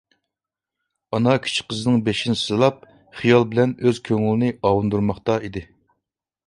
ئانا كىچىك قىزىنىڭ بېشىنى سىلاپ خىيال بىلەن ئۆز كۆڭلىنى ئاۋۇندۇرماقتا ئىدى.